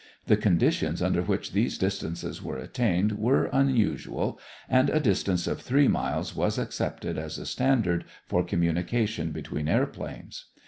The conditions under which these distances were attained were unusual, and a distance of three miles was accepted as a standard for communication between airplanes.